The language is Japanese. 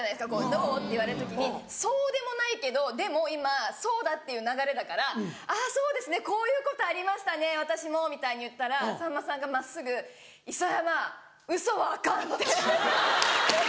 「どう？」って言われる時にそうでもないけどでも今そうだっていう流れだから「あぁそうですねこういうことありましたね私も」みたいに言ったらさんまさんが真っすぐ「磯山ウソはアカン」って。